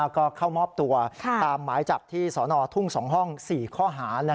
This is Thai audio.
ก็เข้ามอบตัวตามหมายจับที่สนทุ่ง๒ห้อง๔ข้อหา